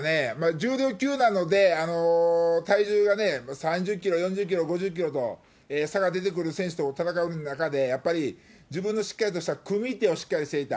重量級なので、体重が３０キロ、４０キロ、５０キロと差が出てくる選手と戦う中で、やっぱり自分のしっかりとした組み手をしっかりしていた。